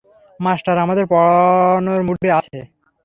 Master আমাদের পড়ানোর মুডে আছে।